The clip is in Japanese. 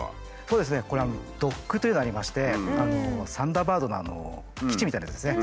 これドックというのがありまして「サンダーバード」の基地みたいなやつですね。